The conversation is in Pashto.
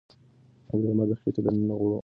الزایمر د خېټې دننه غوړو له امله رامنځ ته کېدای شي.